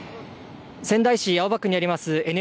仙台市青葉区にあります